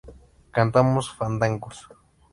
cantamos fandangos